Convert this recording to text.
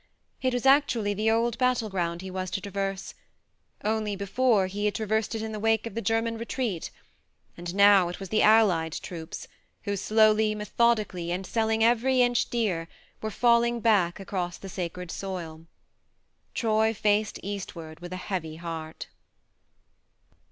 It was actually the old battle ground he was to traverse ; only, before, he had traversed it in the wake of the German retreat, and now it was the allied troops who, slowly, methodically, and selling every inch dear, were falling back across the sacred soil. Troy faced eastward with a heavy heart.